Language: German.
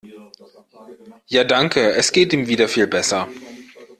Ja danke, es geht ihm wieder viel besser.